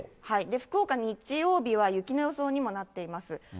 福岡、日曜日は雪の予想にもなっています。